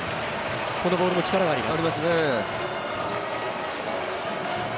このボールも力があります。